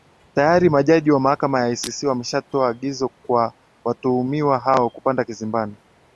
tayari majaji wa mahakama ya icc wameshatoa agizo kwa watuhumiwa hao kupanda kizimbani